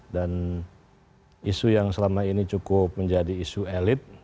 dan isu yang selama ini cukup menjadi isu elit